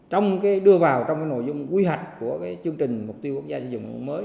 trong cái đưa vào trong cái nội dung quy hoạch của cái chương trình mục tiêu quốc gia xây dựng nông thôn mới